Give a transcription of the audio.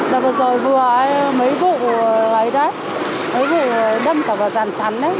rồi vừa mấy vụ ấy đó ấy vừa đâm cả vào dàn chắn ấy